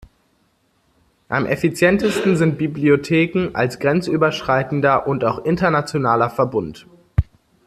Am effizientesten sind Bibliotheken als grenzüberschreitender und auch internationaler Verbund.